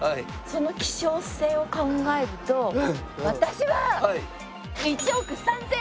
その希少性を考えると私は１億３８００ね？